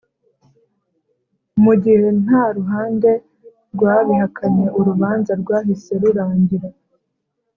Mu gihe nta ruhande rwabihakanye urubanza rwahise rurangira